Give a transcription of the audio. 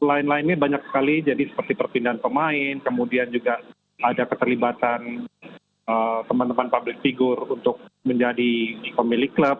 selain lainnya banyak sekali jadi seperti perpindahan pemain kemudian juga ada keterlibatan teman teman public figure untuk menjadi pemilik klub